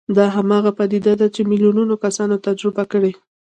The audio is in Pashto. دا هماغه پدیده ده چې میلیونونه کسانو تجربه کړې